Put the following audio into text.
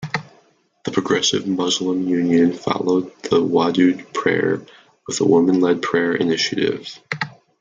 The Progressive Muslim Union followed the Wadud prayer with a woman-led prayer initiative.